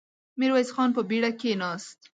ميرويس خان په بېړه کېناست.